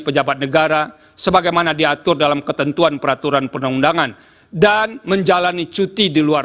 pejabat negara sebagaimana diatur dalam ketentuan peraturan perundang undangan dan menjalani cuti di luar